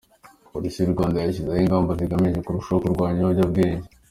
Polisi y’u Rwanda yashyizeho ingamba zigamije kurushaho kurwanya ibiyobyabwenge.